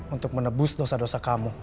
untuk menebus dosa dosa kamu